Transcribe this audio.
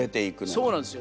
そうなんですよ。